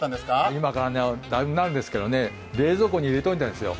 今からだいぶ前なんですけどね、冷蔵庫に入れておいたんですよ。